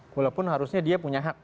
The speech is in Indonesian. walaupun harusnya dia punya hak